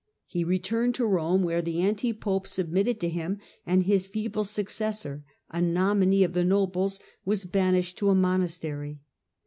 He returned to Eome, where the anti pope submitted to him, and his feeble successor, a nominee of the nobles, was banished to a monastery.